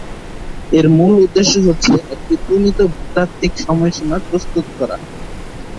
এর মূল উদ্দেশ্য হচ্ছে, একটি প্রমিত ভূতাত্ত্বিক সময়সীমার প্রস্তুত করা।